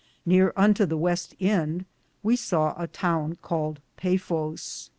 Neare unto the weste ende we saw a towne caled Bafifa.